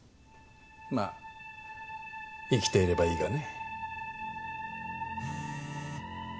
まあ生きていればいいがね。